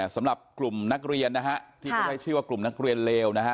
สำหรับกลุ่มนักเรียนนะฮะที่เขาใช้ชื่อว่ากลุ่มนักเรียนเลวนะฮะ